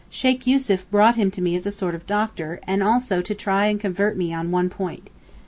Sheykh Yussuf brought him to me as a sort of doctor, and also to try and convert me on one point.